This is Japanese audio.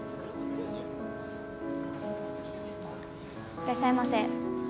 いらっしゃいませ。